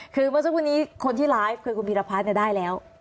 คือเมื่อเจ้าคุณนี้คนที่ไลฟ์คือคุณบีรพรรดิได้แล้ว